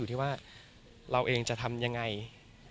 ก็มีไปคุยกับคนที่เป็นคนแต่งเพลงแนวนี้